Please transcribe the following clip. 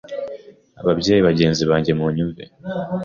Babyeyi bagenzi banjye munyumve